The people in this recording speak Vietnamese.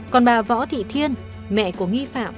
còn bà võ thị thiên mẹ của nghi phạm